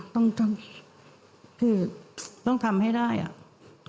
ต้องทำให้ได้อ่ะ